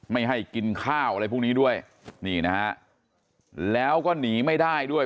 ไม่ให้กินข้าวอะไรพวกนี้ด้วยนี่นะฮะแล้วก็หนีไม่ได้ด้วย